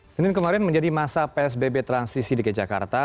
senin kemarin menjadi masa psbb transisi di kejakarta